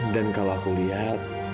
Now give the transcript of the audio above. dan kalau aku lihat